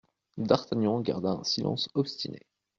D'Artagnan garda un silence obstiné.